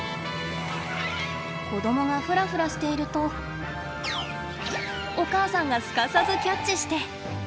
子供がフラフラしているとお母さんがすかさずキャッチして。